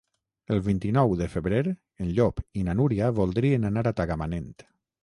El vint-i-nou de febrer en Llop i na Núria voldrien anar a Tagamanent.